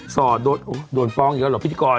ส่อโดนโอ้โหโดนฟ้องอยู่แล้วหรอพิธีกร